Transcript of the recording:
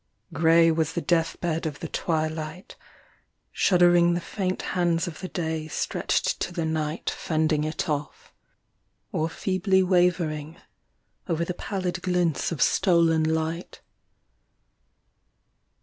Grey was the death bed of the twilight, shuddering the faint hands of the day stretched to the night 55 Myself in the City. Fending it off, or feebly wavering, over the pallid glints of stolen light.